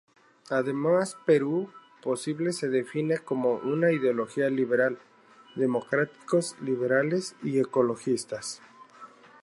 Además, Perú Posible se define con una ideología liberal, democráticos liberales y ecologistas.